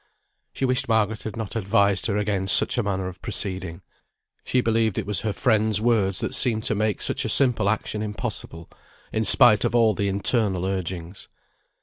She wished Margaret had not advised her against such a manner of proceeding; she believed it was her friend's words that seemed to make such a simple action impossible, in spite of all the internal urgings.